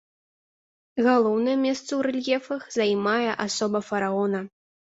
Галоўнае месца ў рэльефах займае асоба фараона.